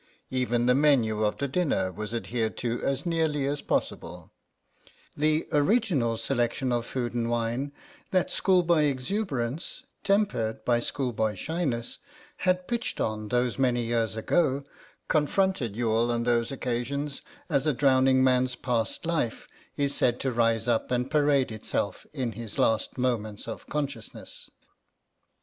Even the menu of the dinner was adhered to as nearly as possible; the original selection of food and wine that schoolboy exuberance, tempered by schoolboy shyness, had pitched on those many years ago, confronted Youghal on those occasions, as a drowning man's past life is said to rise up and parade itself in his last moments of consciousness.